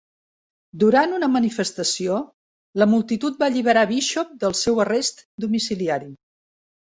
Durant una manifestació, la multitud va alliberar Bishop del seu arrest domiciliari.